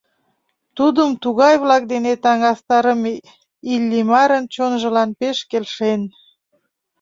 Тудым тугай-влак дене таҥастарыме Иллимарын чонжылан пеш келшен.